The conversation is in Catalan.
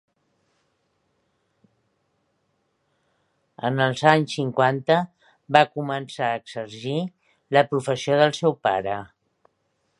En els anys cinquanta va començar a exercir la professió del seu pare.